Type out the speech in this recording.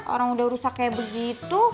orang udah rusak kayak begitu